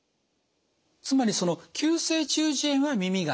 つまり急性中耳炎は耳が痛い